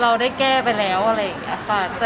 เราได้แก้ไปแล้วอะไรอีกนะครับ